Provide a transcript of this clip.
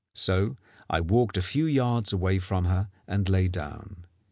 So I walked a few yards away from her and lay down.